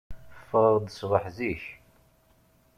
Ffɣeɣ-d ṣṣbeḥ zik.